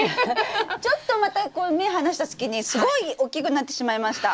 ちょっとまた目離した隙にすごい大きくなってしまいました。